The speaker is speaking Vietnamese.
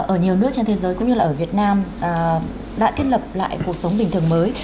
ở nhiều nước trên thế giới cũng như là ở việt nam đã thiết lập lại cuộc sống bình thường mới